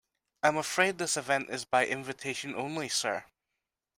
I'm afraid this event is by invitation only, sir.